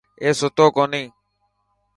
اي ستو ڪوني.